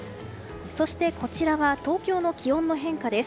そして、こちらは東京の気温の変化です。